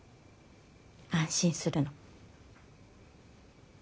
安心するの。